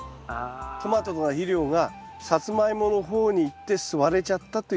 トマトとかの肥料がサツマイモの方にいって吸われちゃったという。